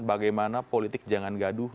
bagaimana politik jangan gaduh